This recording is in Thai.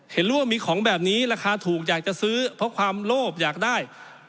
เห็นว่ามีของแบบนี้ราคาถูกอยากจะซื้อเพราะความโลภอยากได้